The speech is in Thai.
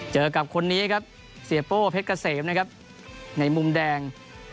เจอกับคนนี้ครับเสียโป้เพชรเกษมนะครับในมุมแดง